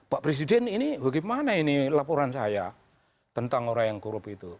pak presiden ini bagaimana ini laporan saya tentang orang yang korup itu